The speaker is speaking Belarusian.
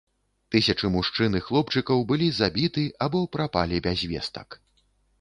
Тысячы мужчын і хлопчыкаў былі забіты або прапалі без вестак.